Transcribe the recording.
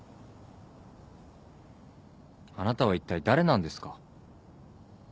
あなたはいったい誰なんですか？